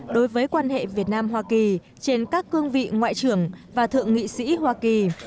đối với quan hệ việt nam hoa kỳ trên các cương vị ngoại trưởng và thượng nghị sĩ hoa kỳ